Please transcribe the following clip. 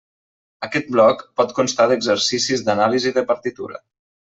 Aquest bloc pot constar d'exercicis d'anàlisi de partitura.